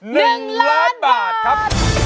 ๑ล้านบาทครับ